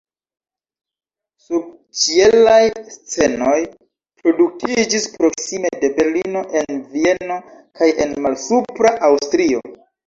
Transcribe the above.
Subĉielaj scenoj produktiĝis proksime de Berlino, en Vieno kaj en Malsupra Aŭstrio.